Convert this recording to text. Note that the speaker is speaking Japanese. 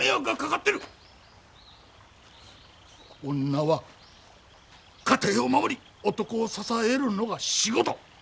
女は家庭を守り男を支えるのが仕事！